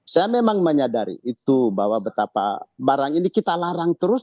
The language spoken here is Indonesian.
saya memang menyadari itu bahwa betapa barang ini kita larang terus